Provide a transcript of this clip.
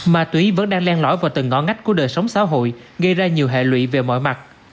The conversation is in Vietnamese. ma túy vẫn đang len lõi vào từng ngõ ngách của đời sống xã hội gây ra nhiều hệ lụy về mọi mặt